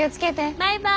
バイバイ。